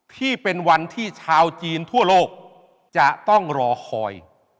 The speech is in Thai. ที่เป็นวันที่ชาวจีนทั่วโลกจะต้องรอคอย